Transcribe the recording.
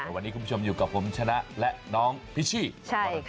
วันนี้คุณผู้ชมอยู่กับผมชนะและน้องพิชชี่